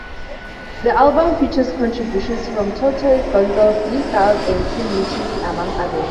The album features contributions from Tortoise, Gonzales, D-Styles, and Tim Rutili, among others.